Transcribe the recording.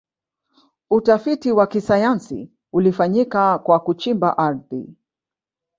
utafiti wa kisayansi ulifanyika kwa kuchimba ardhi